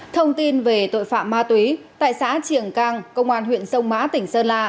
thông tin về tội phạm ma túy tại xã triển cang công an huyện sông mã tỉnh sơn la